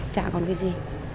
chả còn cái gì